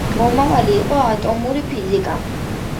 მომავალი იყო ატომური ფიზიკა.